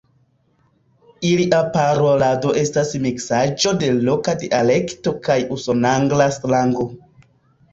Ilia parolado estas miksaĵo de loka dialekto kaj usonangla slango.